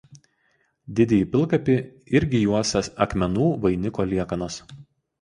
Didįjį pilkapį irgi juosia akmenų vainiko liekanos.